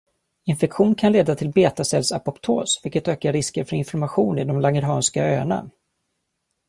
Infektion kan leda till betacellsapoptos, vilket ökar risken för inflammation i de langerhanska öarna.